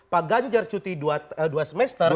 pak ganjar cuti dua semester